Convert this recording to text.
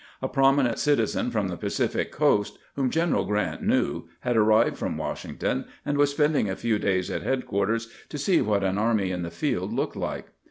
A prominent citizen from the Pacific coast, whom Gen eral Grrant knew, had arrived from "Washington, and was spending a few days at headquarters to see what an army in the field looked like.